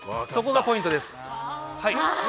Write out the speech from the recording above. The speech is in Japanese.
そこがポイントです。